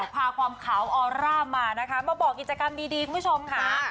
พาความขาวออร่ามานะคะมาบอกกิจกรรมดีคุณผู้ชมค่ะ